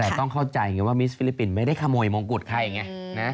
แต่ต้องเข้าใจไงว่ามิสฟิลิปปินส์ไม่ได้ขโมยมงกุฎใครไงนะ